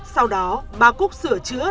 sau đó bà cúc sửa chữa